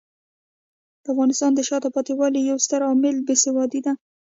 د افغانستان د شاته پاتې والي یو ستر عامل بې سوادي دی.